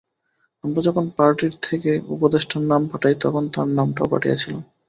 আমরা যখন পার্টির থেকে উপদেষ্টার নাম পাঠাই; তখন তার নামটাও পাঠিয়েছিলাম।